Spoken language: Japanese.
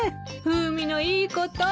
風味のいいこと。